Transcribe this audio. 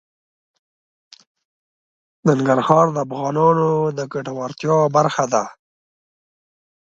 ننګرهار د افغانانو د ګټورتیا برخه ده.